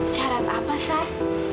syarat apa san